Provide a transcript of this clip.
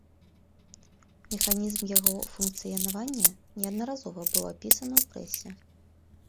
Механізм яго функцыянавання неаднаразова быў апісаны ў прэсе.